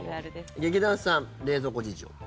劇団さん、冷蔵庫事情。